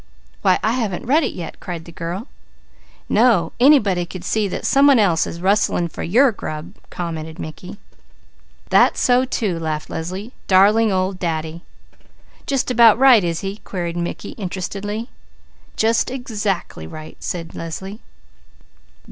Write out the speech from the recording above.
"Why I haven't read it yet!" cried the girl. "No! A body can see that some one else is rustling for your grub!" commented Mickey. "That's so too," laughed Leslie. "Darling old Daddy!" "Just about right is he?" queried Mickey, interestedly. "Just exactly right!" said Leslie.